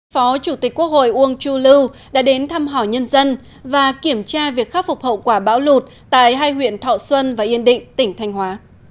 phó chủ tịch quốc hội uông chu lưu đã đến thăm hỏi nhân dân và kiểm tra việc khắc phục hậu quả bão lụt tại hai huyện thọ xuân và yên định tỉnh thanh hóa